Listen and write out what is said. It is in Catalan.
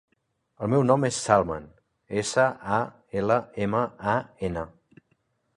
El meu nom és Salman: essa, a, ela, ema, a, ena.